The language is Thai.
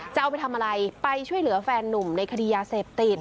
จะเอาไปทำอะไรไปช่วยเหลือแฟนนุ่มในคดียาเสพติด